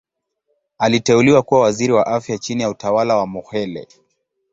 Aliteuliwa kuwa Waziri wa Afya chini ya utawala wa Mokhehle.